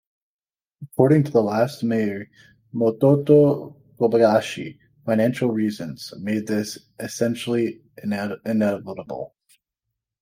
According to the last mayor Makoto Kobayashi, "financial reasons" made the decision inevitable.